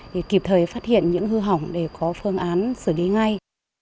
thì kịp thời phát hiện những hư hỏng để có phương án xử lý ngay